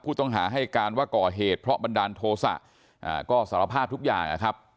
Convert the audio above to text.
ผู้ต้องหาให้การว่าก่อเหตุเพราะบันดาลโทษะก็สารภาพทุกอย่างนะครับ